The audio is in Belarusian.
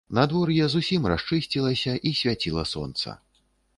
Надвор'е зусім расчысцілася, і свяціла сонца.